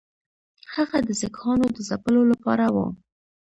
هغه د سیکهانو د ځپلو لپاره وو.